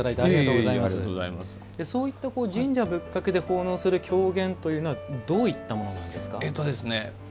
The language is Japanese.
そういった神社仏閣で奉納する狂言というのはどういったものなんですか？